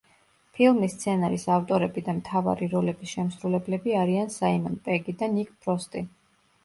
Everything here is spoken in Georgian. ფილმის სცენარის ავტორები და მთავარი როლების შემსრულებლები არიან საიმონ პეგი და ნიკ ფროსტი.